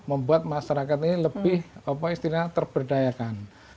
membuat masyarakat ini lebih terberdayakan